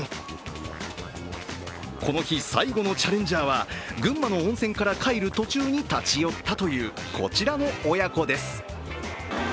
この日最後のチャレンジャーは群馬の温泉から帰る途中だったという、こちらの親子です。